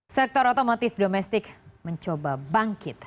sektor otomotif domestik mencoba bangkit